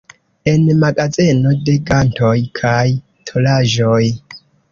En magazeno de gantoj kaj tolaĵoj.